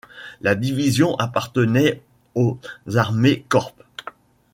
La division appartenait au Armee-Korps.